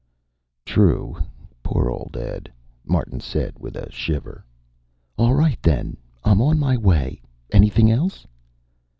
"True. Poor old Ed," Martin said, with a shiver. "All right, then. I'm on my way. Anything else?"